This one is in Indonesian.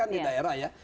di daerah ya